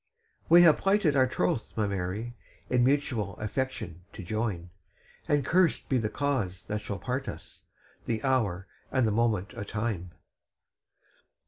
We hae plighted our troth, my Mary, In mutual affection to join; And curst be the cause that shall part us! The hour and the moment o' time!